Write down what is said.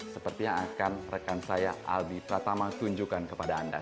sepertinya akan rekan saya albi pratama tunjukkan kepada anda